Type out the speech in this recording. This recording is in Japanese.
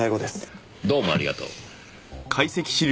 どうもありがとう。